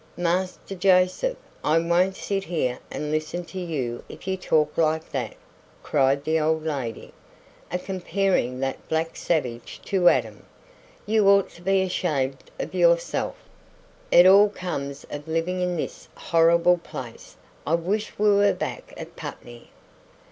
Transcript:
"Master Joseph, I won't sit here and listen to you if you talk like that," cried the old lady; "a comparing that black savage to Adam! You ought to be ashamed of yourself. It all comes of living in this horrible place. I wish we were back at Putney."